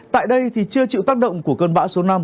tại đây chưa chịu tác động của cơn bão số năm